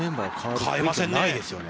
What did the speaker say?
代えませんね。